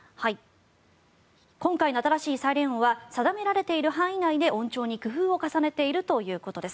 今回の新しいサイレン音は定められている範囲内で音調に工夫を入れているということです。